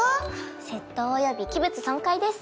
窃盗および器物損壊です。